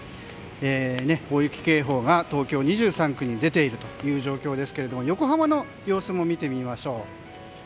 大雪警報が東京２３区に出ている状況ですが横浜の様子も見てみましょう。